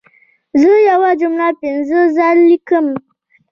زه یوه جمله پنځه ځله لیکم.